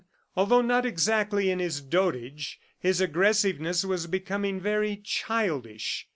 Although not exactly in his dotage, his aggressiveness was becoming very childish.